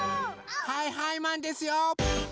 はいはいマンですよ！